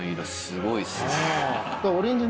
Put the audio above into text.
すごいな。